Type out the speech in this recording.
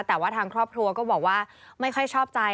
แต่ว่าทางครอบครัวก็บอกว่าไม่ค่อยชอบใจ